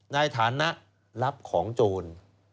ในฐานะรับของโจร